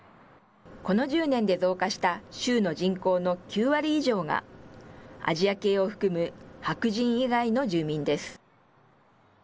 この１０年で増加した州の人口の９割以上がアジア系を含む白人以外の住民です。